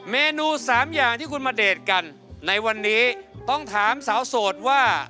เมนูสามอย่างที่คุณมาเดทกันในวันนี้ต้องถามสาวโสดว่า